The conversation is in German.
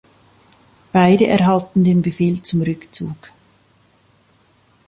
Beide erhalten den Befehl zum Rückzug.